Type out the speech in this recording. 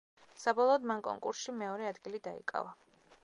საბოლოოდ მან კონკურსში მეორე ადგილი დაიკავა.